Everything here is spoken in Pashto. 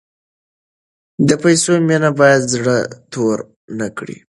د پیسو مینه باید زړه تور نکړي.